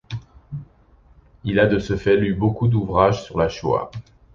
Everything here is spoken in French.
Il a de ce fait lu beaucoup d'ouvrages sur la Shoah.